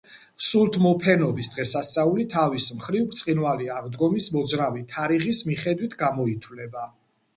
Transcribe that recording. სულთმოფენობის დღესასწაული, თავის მხრივ, ბრწყინვალე აღდგომის მოძრავი თარიღის მიხედვით გამოითვლება.